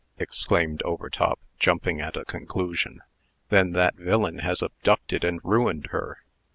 exclaimed Overtop, jumping at a conclusion. "Then that villain has abducted and ruined her."